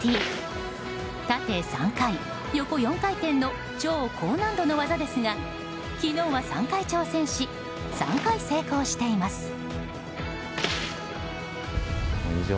縦３回、横４回転の超高難度の技ですが昨日は３回挑戦し３回成功しています。